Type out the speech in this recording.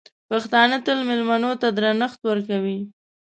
پښتانه تل مېلمنو ته درنښت ورکوي.